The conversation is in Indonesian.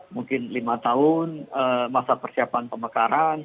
mungkin lima tahun masa persiapan pemekaran